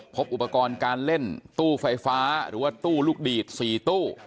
พบอุปกรณ์การเล่นตู้ไฟฟ้าหรือว่าตู้ลูกดีด๔ตู้